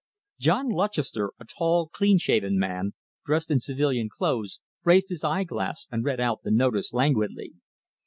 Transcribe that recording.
John Lutchester, a tall, clean shaven man, dressed in civilian clothes, raised his eyeglass and read out the notice languidly.